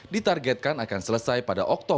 ditargetkan akan selesai pada oktober